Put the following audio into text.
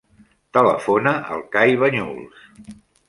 Telefona al Kai Bañuls.